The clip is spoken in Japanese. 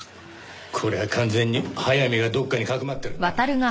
こりゃ完全に早見がどこかにかくまってるな。